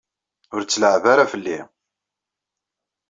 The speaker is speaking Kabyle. Ur tt-leɛɛeb ara fell-i!